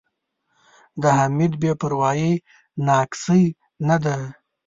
د حمید بې پروایي نا کسۍ نه ده.